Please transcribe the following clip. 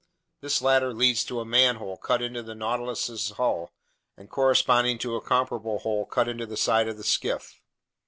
This ladder leads to a manhole cut into the Nautilus's hull and corresponding to a comparable hole cut into the side of the skiff.